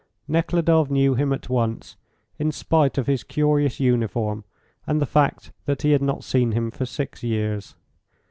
Nekhludoff knew him at once, in spite of his curious uniform and the fact that he had not seen him for six years.